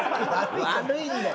悪いんだよ。